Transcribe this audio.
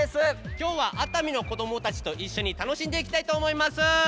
今日は熱海の子どもたちと一緒に楽しんでいきたいと思います。